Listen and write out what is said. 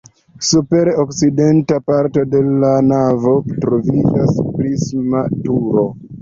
Super okcidenta parto de la navo troviĝas prisma turo.